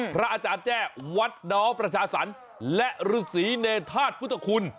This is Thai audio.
พระอาจารย์แจ้วัดน้อประชาสรรค์และฤษีเนธาตุพุทธคุณ